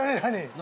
何？